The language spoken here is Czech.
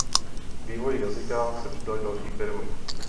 K vývoji jazyka se přidaly další firmy.